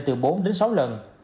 từ bốn đến sáu lần